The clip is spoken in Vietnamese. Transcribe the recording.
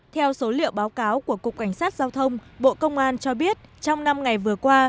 theo số liệu báo cáo của cục cảnh sát giao thông bộ công an cho biết trong năm ngày vừa qua